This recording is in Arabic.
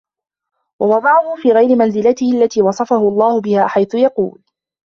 وَوَضَعَهُ فِي غَيْرِ مَنْزِلَتِهِ الَّتِي وَصَفَهُ اللَّهُ بِهَا حَيْثُ يَقُولُ